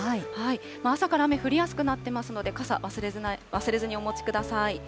朝から雨降りやすくなっていますので、傘、忘れずにお持ちください。